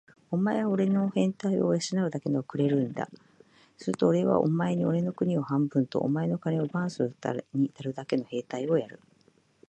お前はおれにおれの兵隊を養うだけ金をくれるんだ。するとおれはお前におれの国を半分と、お前の金を番するのにたるだけの兵隊をやる。